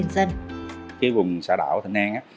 cái vùng xã đảo thạch an á